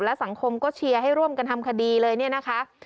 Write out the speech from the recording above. และสังคมก็เชียร์ให้ร่วมกันทำคดีเลยเนี่ยนะคะ